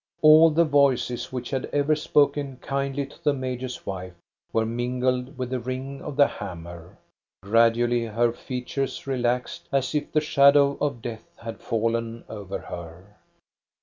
All the voices which had ever spoken MARGARETA CELSING 47 1 kindly to the major's wife were mingled with the ring of the hammer. Gradually her features relaxed, as if the shadow of death had fallen over her.